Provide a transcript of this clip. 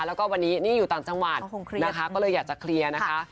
แล้วก็วันนี้นี่อยู่ต่างจังหวัดนะคะก็เลยอยากจะเคลียร์นะคะ